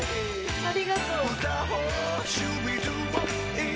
ありがとう。